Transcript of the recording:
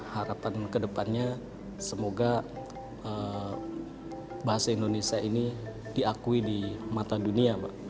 harapan kedepannya semoga bahasa indonesia ini diakui di mata dunia